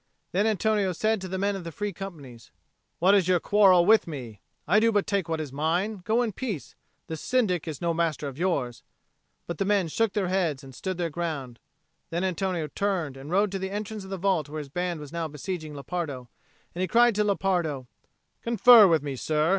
Then Antonio said to the men of the Free Companies, "What is your quarrel with me? I do but take what is mine. Go in peace. This Syndic is no master of yours." But the men shook their heads and stood their ground. Then Antonio turned and rode to the entrance of the vault where his band was now besieging Lepardo, and he cried to Lepardo, "Confer with me, sir.